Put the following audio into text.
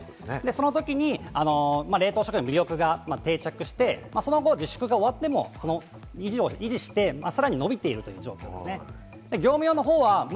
その時に冷凍食品の魅力が定着して、その後、自粛が終わっても維持して、さらに伸びている状況です。